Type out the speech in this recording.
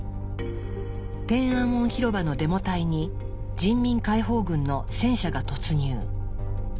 天安門広場のデモ隊に人民解放軍の戦車が突入。